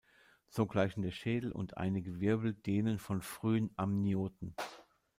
So gleichen der Schädel und einige Wirbel denen von frühen Amnioten.